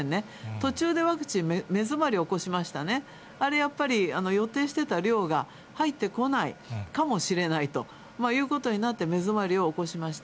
途中でワクチン目詰まり起こしましたね、あれやっぱり、予定していた量が入ってこないかもしれないということになって、目詰まりを起こしました。